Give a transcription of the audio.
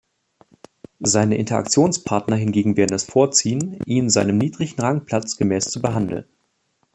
Seine Interaktionspartner hingegen werden es vorziehen, ihn seinem niedrigeren Rangplatz gemäß zu behandeln.